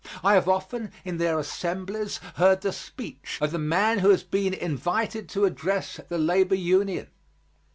I have often, in their assemblies, heard the speech of the man who has been invited to address the labor union.